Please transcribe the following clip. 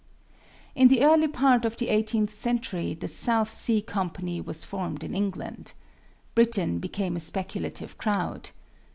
In the early part of the eighteenth century the South Sea Company was formed in England. Britain became a speculative crowd.